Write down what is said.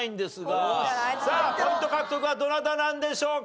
さあポイント獲得はどなたなんでしょうか？